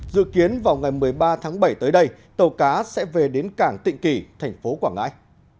dự kiến vào ngày một mươi ba tháng bảy tới đây tàu cá sẽ về đến cảng tịnh kỳ thành phố quảng ngãi